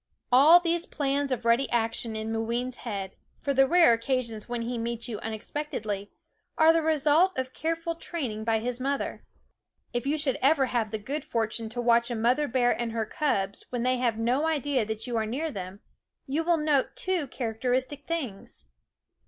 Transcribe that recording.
All these plans of ready action in Moo ween's head, for the rare occasions when he meets you unexpectedly, are the result of THE WOODS careful training by his mother. If you should ever have the good fortune to watch a mother bear and her cubs when they have no idea that you are near them, you will note two characteristic things.